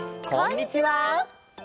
こんにちは！